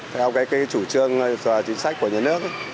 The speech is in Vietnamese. theo cái chủ trương chính sách của nhà nước